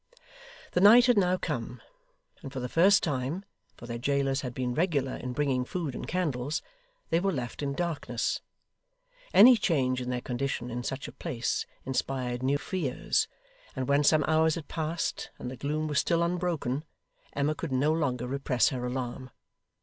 The night had now come; and for the first time (for their jailers had been regular in bringing food and candles), they were left in darkness. Any change in their condition in such a place inspired new fears; and when some hours had passed, and the gloom was still unbroken, Emma could no longer repress her alarm.